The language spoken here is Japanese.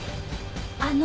あの。